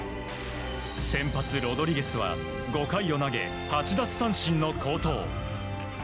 先発ロドリゲスは５回を投げ８奪三振の好投。